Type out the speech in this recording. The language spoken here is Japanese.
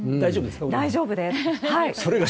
僕も大丈夫です。